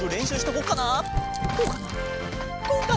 こうかな？